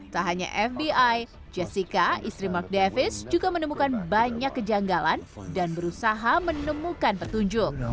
tak hanya fbi jessica istri mark davis juga menemukan banyak kejanggalan dan berusaha menemukan petunjuk